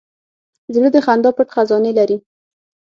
زړه د خندا پټ خزانې لري.